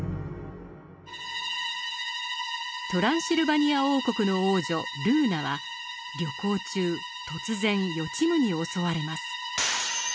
トランシルバニア王国の王女ルーナは旅行中突然予知夢に襲われます。